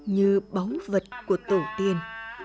như báu vật của tổ tiên